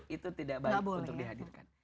itu tidak baik untuk dihadirkan